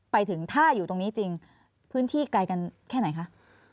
ไปถึงถ้าอยู่ตรงนี้จริงพื้นที่ไกลกันแค่ไหนคะ